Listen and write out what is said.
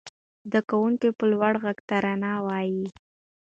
زده کوونکي په لوړ غږ ترانې وايي.